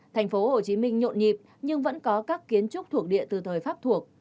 tp hcm nhộn nhịp nhưng vẫn có các kiến trúc thuộc địa từ thời pháp thuộc